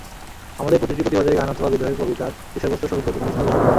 আমাদের প্রতিটি প্রতিবাদের গান অথবা বিদ্রোহের কবিতার বিষয়বস্তু শহীদের প্রতি স্তবগাথা।